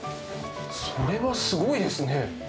それはすごいですね。